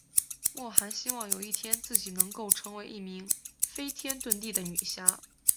莫涵希望有一天自己能够成为一名飞天遁地的女侠。